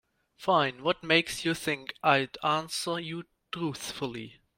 Fine, what makes you think I'd answer you truthfully?